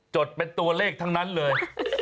ดเป็นตัวเลขทั้งนั้นเลย